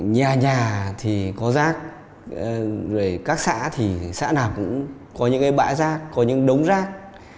nhà nhà thì có rác các xã thì xã nào cũng có những bãi rác có những đống rác